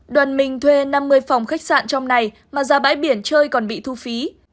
đoàn minh thuê năm mươi phòng khách sạn trong này mà ra bãi biển chơi còn bị thu phí